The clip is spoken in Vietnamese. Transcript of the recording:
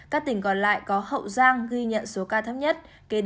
các tỉnh còn lại có hậu giang ghi nhận số ca thấp nhất